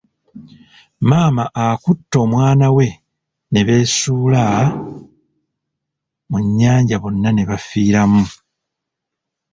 Maama akutte omwana we ne beesuula mu nnyanja bonna ne bafiiramu.